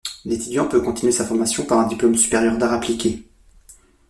L'étudiant peut continuer sa formation par un Diplôme supérieur d'arts appliqués.